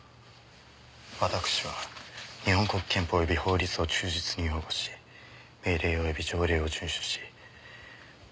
私は日本国憲法及び法律を忠実に擁護し命令及び条例を遵守し。